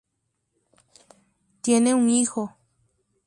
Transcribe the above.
Tiene un hijo.